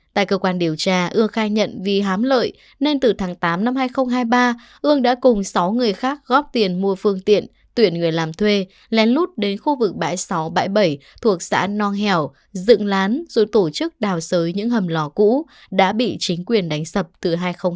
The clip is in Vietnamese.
tại cơ quan điều tra ưa khai nhận vì hám lợi nên từ tháng tám năm hai nghìn hai mươi ba ương đã cùng sáu người khác góp tiền mua phương tiện tuyển người làm thuê lén lút đến khu vực bãi sáu bãi bảy thuộc xã nong hẻo dựng lán rồi tổ chức đào sới những hầm lò cũ đã bị chính quyền đánh sập từ hai nghìn hai mươi ba